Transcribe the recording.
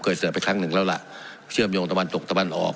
เสิร์ฟไปครั้งหนึ่งแล้วล่ะเชื่อมโยงตะวันตกตะวันออก